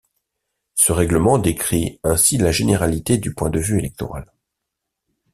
Ce règlement décrit ainsi la généralité du point de vue électoral.